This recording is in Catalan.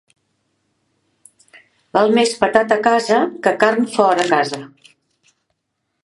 Val més patata a casa que carn fora casa.